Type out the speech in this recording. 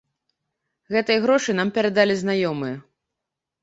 Гэтыя грошы нам перадалі знаёмыя.